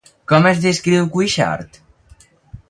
Com es descriu Cuixart?